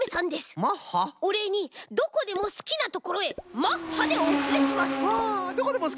おれいにどこでもすきなところへマッハでおつれします！